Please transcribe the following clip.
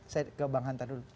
saya ke bang hanta dulu